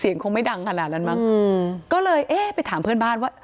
คงไม่ดังขนาดนั้นมั้งอืมก็เลยเอ๊ะไปถามเพื่อนบ้านว่า